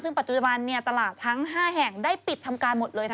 ซึ่งปัจจุบันตลาดทั้ง๕แห่งได้ปิดทำการหมดเลยค่ะ